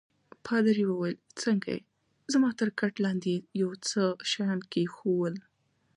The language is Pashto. پادري وویل: څنګه يې؟ زما تر کټ لاندي يې یو څه شیان کښېښوول.